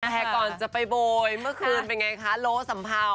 แต่ก่อนจะไปโบยเมื่อคืนเป็นไงคะโล้สัมเภา